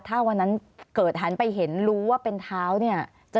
ถ้าวันนั้นเกิดหันไปเห็นรู้ว่าเป็นเท้าเนี่ย